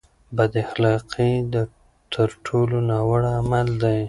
بد اخلاقي تر ټولو ناوړه عمل دی.